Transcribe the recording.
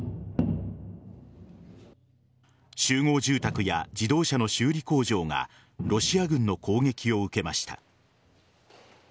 集合住宅や自動車の修理工場がロシア軍の攻撃を受けました。